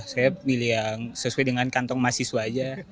saya milih yang sesuai dengan kantong mahasiswa aja